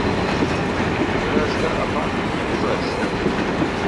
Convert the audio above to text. رس دا اپان دور رݭ۔